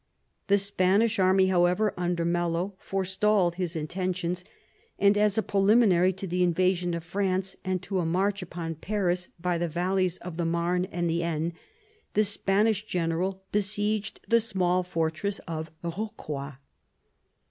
The Spanish army, however, under Mello, forestalled his intentions, and as a preliminary to the invasion of France, and to a march upon Paris by the valleys of the Marne and the Aisne, the Spanish general besieged the small fortress of Kocroi.